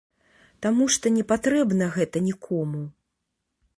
Таму што не патрэбна гэта нікому.